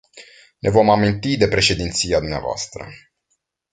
Ne vom aminti de președinția dvs.